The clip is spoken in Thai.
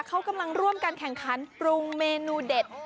เขากำลังร่วมกันแข่งขันปรุงเมนูเด็ด